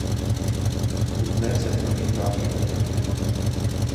Vstupné se používá k jeho údržbě.